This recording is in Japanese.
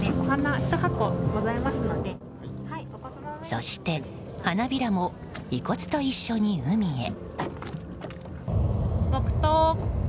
そして、花びらも遺骨と一緒に海へ。